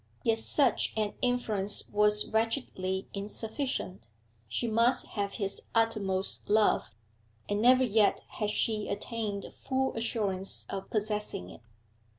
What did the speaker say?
Yet such an influence was wretchedly insufficient; she must have his uttermost love, and never yet had she attained full assurance of possessing it.